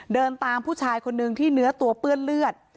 เดินตามผู้ชายคนนึงที่เนื้อตัวเปื้อนเลือด